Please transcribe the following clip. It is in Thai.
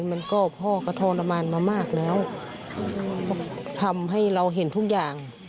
มันก็พ่อก็ทรมานมามากแล้วทำให้เราเห็นทุกอย่าง